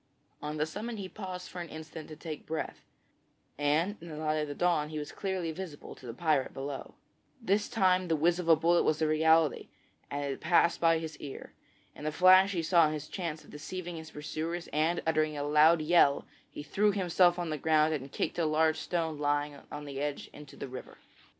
On the summit he paused for an instant to take breath, and in the light of the dawn he was clearly visible to the pirate below. This time the whiz of the bullet was a reality, and it passed by his ear. In a flash he saw his chance of deceiving his pursuers and, uttering a loud yell, he threw himself on the ground and kicked a large stone lying on the edge into the river.